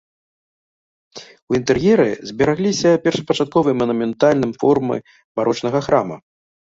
У інтэр'еры зберагліся першапачатковыя манументальным формы барочнага храма.